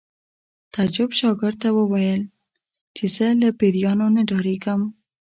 تعجب شاګرد ته وویل چې زه له پیریانو نه ډارېږم